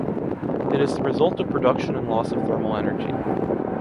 It is the result of production and loss of thermal energy.